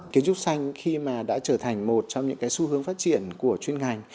kiến trúc xanh khi mà đã trở thành một trong những cái xu hướng phát triển của chuyên ngành